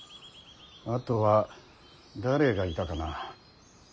あとは誰がいたかなあ。